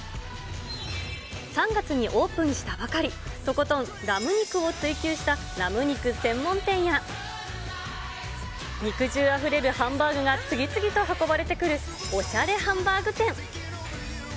３月にオープンしたばかり、とことんラム肉を追求したラム肉専門店や肉汁あふれるハンバーグが次々と運ばれてくるおしゃれハンバーグ店。